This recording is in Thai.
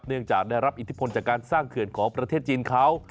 เนื่องจากได้รับอิทธิพลจากการสร้างเขื่อนของประเทศจีนเขา